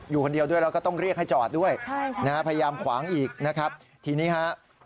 อยู่คนเดียวด้วยแล้วก็ต้องเรียกให้จอดด้วยใช่นะฮะพยายามขวางอีกนะครับทีนี้ฮะ